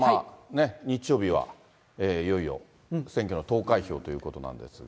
日曜日はいよいよ選挙の投開票ということなんですが。